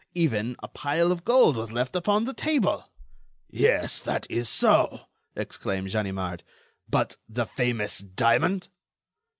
Even, a pile of gold was left upon the table." "Yes, that is so," exclaimed Ganimard, "but the famous diamond?"